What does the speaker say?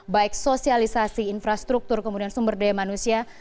baik sosialisasi infrastruktur kemudian sumber daya manusia